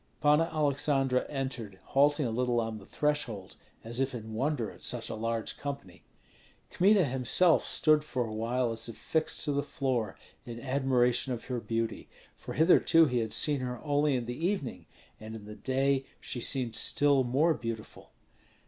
Panna Aleksandra entered, halting a little on the threshold, as if in wonder at such a large company. Kmita himself stood for a while as if fixed to the floor in admiration of her beauty; for hitherto he had seen her only in the evening, and in the day she seemed still more beautiful.